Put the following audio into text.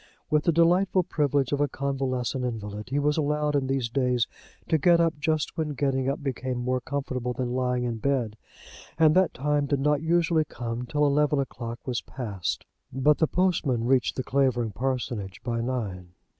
With the delightful privilege of a convalescent invalid, he was allowed in these days to get up just when getting up became more comfortable than lying in bed, and that time did not usually come till eleven o'clock was past; but the postman reached the Clavering parsonage by nine.